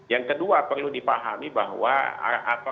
yang kedua perlu dipahami bahwa